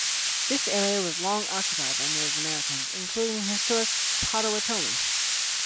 This area was long occupied by Native Americans, including the historic Potawatomi.